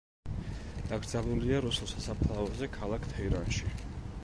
დაკრძალულია რუსულ სასაფლაოზე ქალაქ თეირანში.